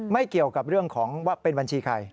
เกี่ยวกับเรื่องของว่าเป็นบัญชีใคร